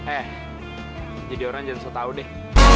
eh jadi orang jangan setau deh